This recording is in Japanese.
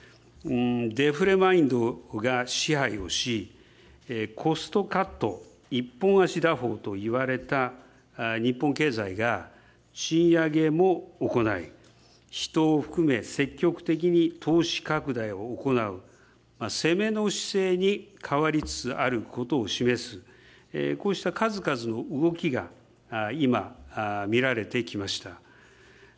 デフレマインドが支配をし、コストカット、一本足打法といわれた日本経済が、賃上げも行い、人を含め積極的に投資拡大を行う、攻めの姿勢に変わりつつあることを示す、こうした数々の動きが今、見られてきました。